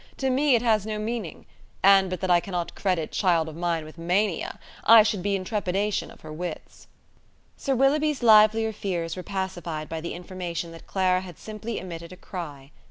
To me it has no meaning; and but that I cannot credit child of mine with mania, I should be in trepidation of her wits." Sir Willoughby's livelier fears were pacified by the information that Clara had simply emitted a cry.